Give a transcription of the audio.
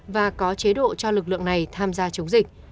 và có chế độ cho lực lượng này tham gia chống dịch